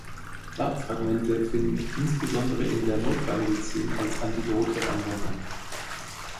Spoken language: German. Fab-Fragmente finden insbesondere in der Notfallmedizin als Antidote Anwendung.